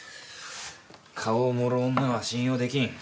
顔を盛る女は信用できん。